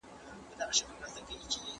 ويته خوله بې شرمه سترګې لکه مچ هر څه کې لويږي